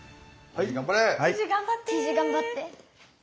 じいじ頑張って。